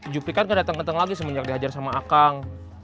jepri kan gak dateng deteng lagi semenjak dihajar sama akang